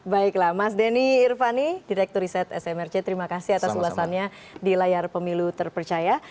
baiklah mas denny irvani direktur riset smrc terima kasih atas ulasannya di layar pemilu terpercaya